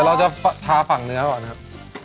เราจะทาฝั่งเนื้อก่อนครับ